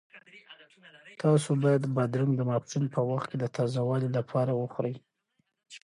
تاسو باید بادرنګ د ماسپښین په وخت کې د تازه والي لپاره وخورئ.